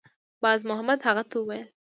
بازمحمد هغه ته وویل